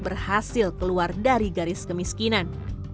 berhasil keluar dari garis kemiskinan